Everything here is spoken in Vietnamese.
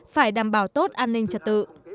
phải đảm bảo tốt an ninh trật tự